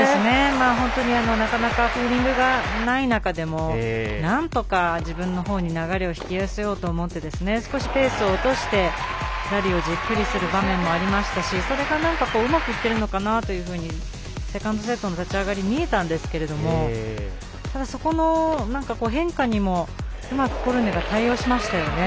本当になかなかフィーリングがない中でのなんとか自分のほうに流れを引き寄せようと思って少しペースを落として、ラリーをじっくりする場面もありましたしそれが、うまくいってるのかなというふうにセカンドセットの立ち上がり見えたんですけれどもただ、そこの変化にもうまくコルネは対応しましたよね。